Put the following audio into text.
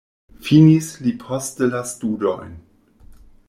Finis li poste la studojn.